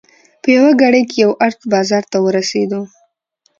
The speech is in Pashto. په یوه ګړۍ کې یو ارت بازار ته ورسېدو.